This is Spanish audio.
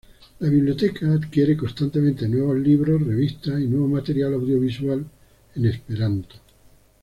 La biblioteca adquiere constantemente nuevos libros, revistas y nuevo material audiovisual en esperanto.